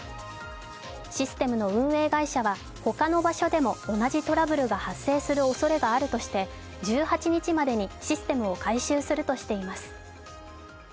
システムの運営会社は他の場所でも同じトラブルが発生するおそれがあるとして１８日までにシステムを改修するとしています。